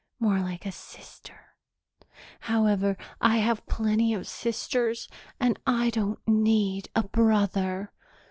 More like a sister. However, I have plenty of sisters and I don't need a brother."